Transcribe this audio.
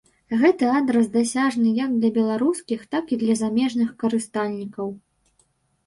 Гэты адрас дасяжны як для беларускіх, так і для замежных карыстальнікаў.